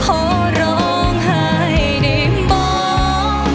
พอร้องหายได้บอก